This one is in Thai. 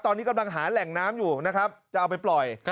ตอนนี้กำลังหาแหล่งน้ำอยู่นะครับจะเอาไปปล่อย